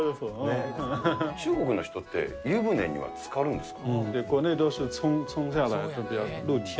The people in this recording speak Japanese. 中国の人って、湯船にはつかるんですか？